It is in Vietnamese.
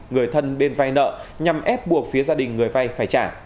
người thân bên vay nợ nhằm ép buộc phía gia đình người vay phải trả